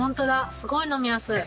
すごい飲みやすい。